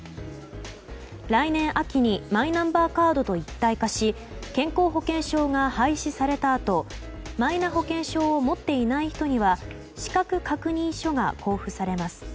来年秋にマイナンバーカードと一体化し健康保険証が廃止されたあとマイナ保険証を持っていない人には資格確認書が交付されます。